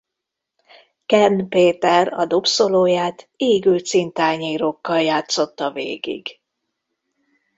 Kern Péter a dobszólóját égő cintányérokkal játszotta végig.